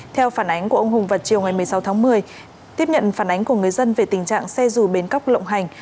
theo phản ánh của ông hùng vào chiều ngày một mươi sáu tháng một mươi tiếp nhận phản ánh của người dân về tình trạng xe dù bến cóc lộng hành